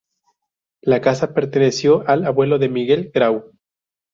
La casa perteneció al abuelo de Miguel Grau.